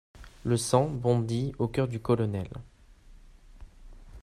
Le sang bondit au cœur du colonel.